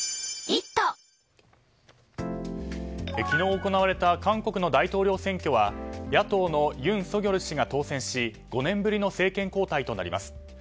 昨日行われた韓国の大統領選挙は野党のユン・ソギョル氏が当選し５年ぶりの政権交代となります。